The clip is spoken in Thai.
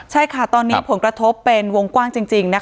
ใช่ค่ะตอนนี้ผลกระทบเป็นวงกว้างจริงนะคะ